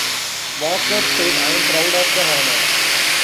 Walker said "I am proud of the honour".